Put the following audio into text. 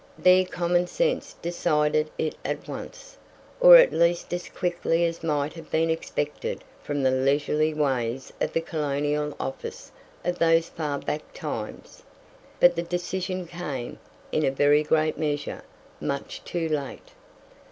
There common sense decided it at once, or at least as quickly as might have been expected from the leisurely ways of the Colonial Office of those far back times. But the decision came, in very great measure, much too late.